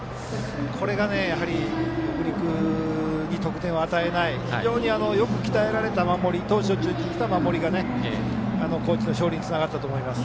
これが北陸に得点を与えない非常によく鍛えられた投手を中心とした守りが高知の勝利につながったと思います。